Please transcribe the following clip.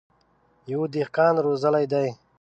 يوه دهقان روزلي دي.